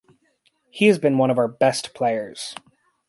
He has been one of our best players.